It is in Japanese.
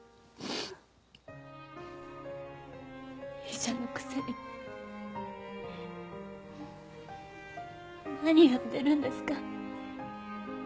医者のくせに何やってるんですか。